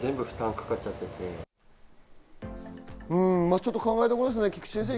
ちょっと考えどころですね、菊地先生。